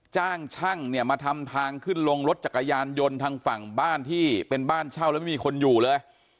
จ้างช่างเนี่ยมาทำทางขึ้นลงรถจักรยานยนต์ทางฝั่งบ้านที่เป็นบ้านเช่าแล้วไม่มีคนอยู่เลย